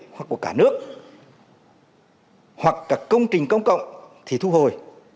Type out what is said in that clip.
hoặc của cả nước hoặc các công trình công cộng thì thu hồi